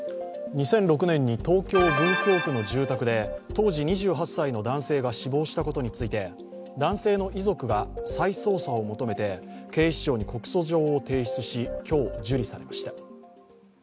２００６年に東京・文京区の住宅で当時２８歳の男性が死亡したことについて、男性の遺族が再捜査を求めて警視庁に告訴状を提出し、今日、受理されました。